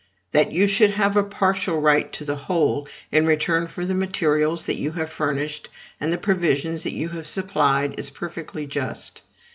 That you should have a partial right to the whole, in return for the materials that you have furnished and the provisions that you have supplied, is perfectly just.